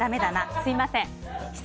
すみません。